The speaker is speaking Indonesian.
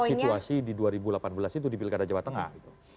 situasi di dua ribu delapan belas itu di pilkada jawa tengah gitu